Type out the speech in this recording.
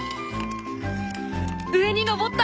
上に上った！